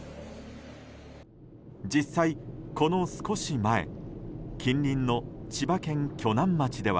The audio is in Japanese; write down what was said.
実際、この少し前近隣の千葉県鋸南町では。